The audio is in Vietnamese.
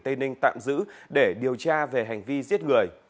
tại huyện gò dầu tỉnh tây ninh tạm giữ để điều tra về hành vi giết người